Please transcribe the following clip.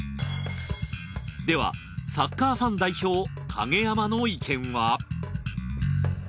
ではサッカーファン代表影山の意見は？